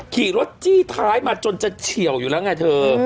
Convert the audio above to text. ขี่รถจี้ท้ายมาจนจะเฉียวอยู่แล้วไงเธอ